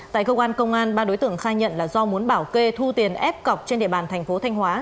tại cơ quan công an ba đối tượng khai nhận là do muốn bảo kê thu tiền ép cọc trên địa bàn thành phố thanh hóa